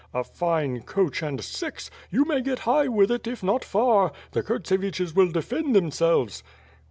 A fine coach and six! You may get high with it, if not far. The Kurtseviches will defend themselves."